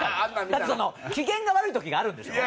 だって機嫌が悪い時があるんでしょ？